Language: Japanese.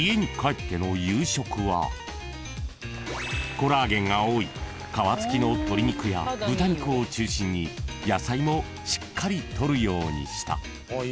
［コラーゲンが多い皮付きの鶏肉や豚肉を中心に野菜もしっかり取るようにした］